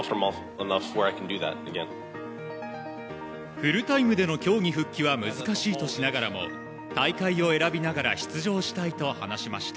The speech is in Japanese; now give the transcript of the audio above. フルタイムでの競技復帰は難しいとしながらも大会を選びながら出場したいと話しました。